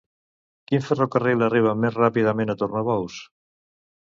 Quin ferrocarril arriba més ràpidament a Tornabous?